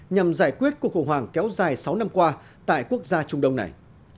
nhằm giải quyết cuộc khủng hoảng kéo dài sáu năm qua tại quốc gia trung đông này